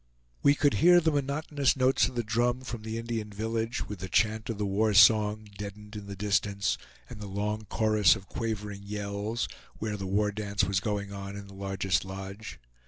We could hear the monotonous notes of the drum from the Indian village, with the chant of the war song, deadened in the distance, and the long chorus of quavering yells, where the war dance was going on in the largest lodge.